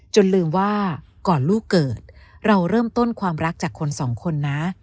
ลืมว่าก่อนลูกเกิดเราเริ่มต้นความรักจากคนสองคนนะ